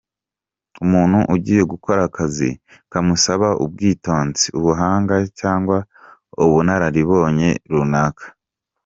Umuntu ugiye gukora akazi kamusaba ubwitonzi, ubuhanga cyangwa ubunararibonye runaka.